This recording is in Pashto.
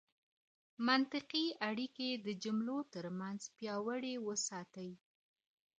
منطقي اړیکي د جملو ترمنځ پیاوړې وساتئ.